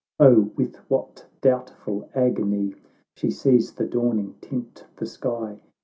O ! with what doubtful agony She sees the dawning tint the sky